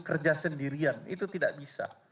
kerja sendirian itu tidak bisa